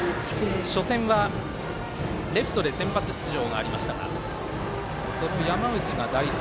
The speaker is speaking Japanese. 初戦はレフトで先発出場がありましたがその山内が代走。